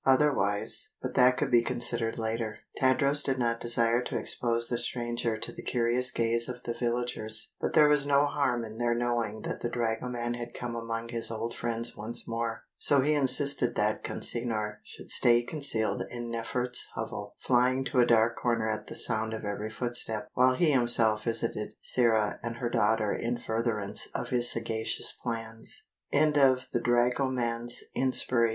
Otherwise but that could be considered later. Tadros did not desire to expose the stranger to the curious gaze of the villagers, but there was no harm in their knowing that the dragoman had come among his old friends once more; so he insisted that Consinor should stay concealed in Nefert's hovel, flying to a dark corner at the sound of every footstep, while he himself visited Sĕra and her daughter in furtherance of his sagacious plans. CHAPTER XXIII. MOTHER AND DAUGHTER. As